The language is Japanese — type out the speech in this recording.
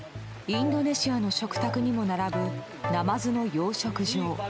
インドネシアの食卓にも並ぶナマズの養殖場。